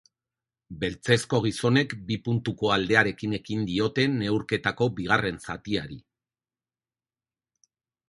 Beltzezko gizonek bi puntuko aldearekin ekin diote neurketako bigarren zatiari.